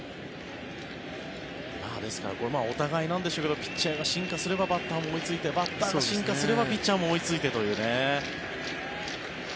ですからお互いなんでしょうけどピッチャーが進化すればバッターも追いついてバッターが進化すればピッチャーも追いついてというね。